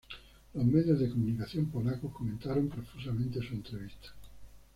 Los medios de comunicación polacos comentaron profusamente su entrevista.